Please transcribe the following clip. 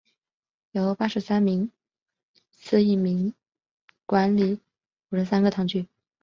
由八十三名司铎名管理五十三个堂区。